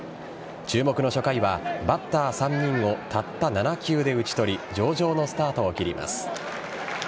注目の初回はバッター３人をたった７球で打ち取り上々のスタートを切ります。